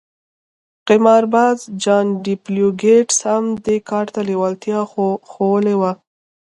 قمارباز جان ډبلیو ګیټس هم دې کار ته لېوالتیا ښوولې وه